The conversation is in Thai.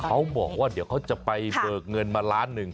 เขาบอกว่าเดี๋ยวเขาจะไปเบิกเงินมาล้านหนึ่ง